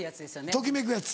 ときめくやつ。